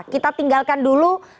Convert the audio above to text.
kita tinggalkan dulu